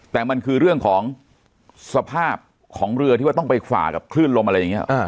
แต่มันคือเรื่องของสภาพของเรือที่ว่าต้องไปฝ่ากับคลื่นลมอะไรอย่างนี้